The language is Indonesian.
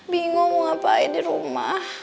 bingung apa itu di rumah